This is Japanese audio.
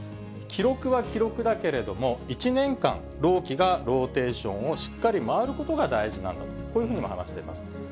記録は記録だけれども、１年間、朗希がローテーションをしっかり回ることが大事なんだと、こういうふうにも話しています。